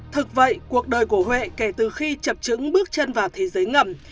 thực vậy cuộc đời của huệ kể từ khi chập trứng bước chân vào thế giới ngầm